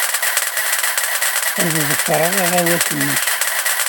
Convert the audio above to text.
Ad ḍefreɣ aɣawas-nnek.